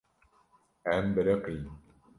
Em biriqîn.